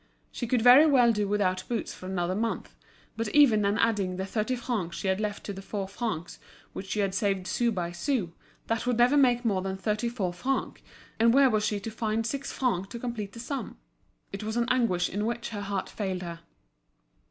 She could very well do without boots for another month; but even on adding the thirty francs she had left to the four francs which she had saved sou by sou, that would never make more than thirty four francs, and where was she to find six francs to complete the sum? It was an anguish in which her heart failed her.